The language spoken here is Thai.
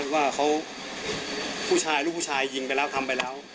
ว่าเขาผู้ชายลูกผู้ชายยิงไปแล้วทำไปแล้ว